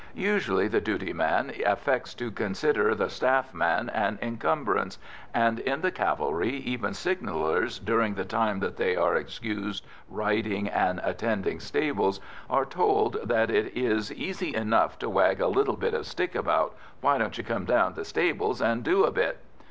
Usually the duty man affects to consider the staff man an encumbrance, and in the cavalry even signallers, during the time that they are excused riding and attending stables, are told that it is "easy enough to wag a little bit of stick about why don't you come down to stables and do a bit?"